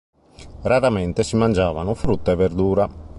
Raramente si mangiavano frutta e verdura.